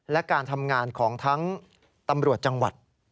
และการทำงานของทั้งตำรวจจังหวัด